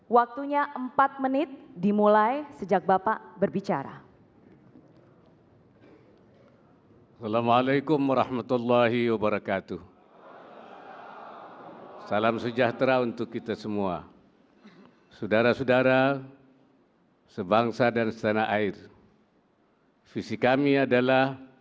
waktunya empat menit dimulai sejak bapak berbicara